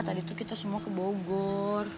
tadi tuh kita semua ke bogor